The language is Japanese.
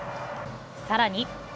さらに。